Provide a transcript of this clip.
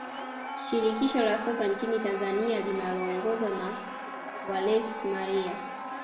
shirikisho la soka nchini Tanzania linaongozwa na wallace Maria